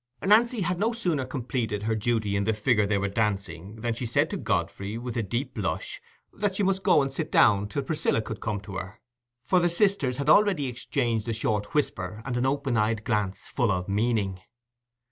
Nancy had no sooner completed her duty in the figure they were dancing than she said to Godfrey, with a deep blush, that she must go and sit down till Priscilla could come to her; for the sisters had already exchanged a short whisper and an open eyed glance full of meaning.